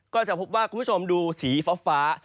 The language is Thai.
ก็จะพบว่าคุณผู้ชมดูสีฟ้า